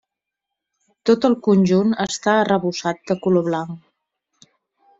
Tot el conjunt està arrebossat de color blanc.